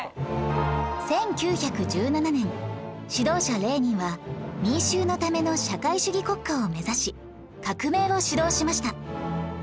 １９１７年指導者レーニンは民衆のための社会主義国家を目指し革命を指導しました